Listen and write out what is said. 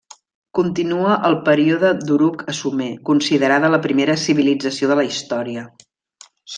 Continua el Període d'Uruk a Sumer, considerada la primera civilització de la història.